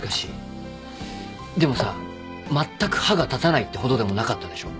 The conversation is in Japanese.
でもさまったく歯が立たないってほどでもなかったでしょ？